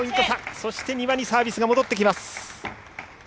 そして丹羽にサービスが戻ってきます。